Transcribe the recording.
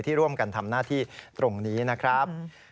ร่วมกันทำหน้าที่ตรงนี้นะครับ